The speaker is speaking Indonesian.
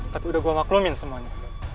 tapi udah gue maklumin semuanya